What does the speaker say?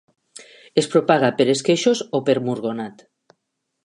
Es propaga per esqueixos o per murgonat.